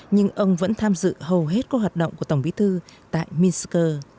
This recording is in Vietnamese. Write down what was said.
nhưng ông vẫn tham dự hầu hết các hoạt động của tổng bí thư tại minsk